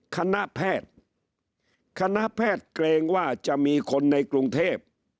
คณะแพทย์เกรงว่าจะมีคนในกรุงเทพฯ